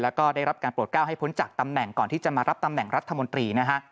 แล้วก็ได้รับการโปรดก้าวให้พ้นจากตำแหน่งก่อนที่จะมารับตำแหน่งรัฐมนตรีนะฮะ